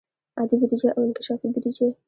عادي بودیجه او انکشافي بودیجه.